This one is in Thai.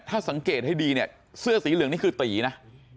ถ้าสังเกตให้ดีเนี่ยเสื้อสีเหลืองนี่คือตีนะ